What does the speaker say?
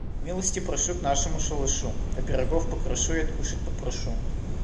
Милости прошу к нашему шалашу: я пирогов покрошу и откушать попрошу.